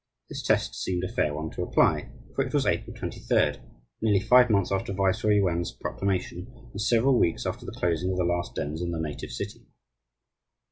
This test seemed a fair one to apply, for it was April 23d, nearly five months after Viceroy Yuan's proclamation, and several weeks after the closing of the last dens in the native city.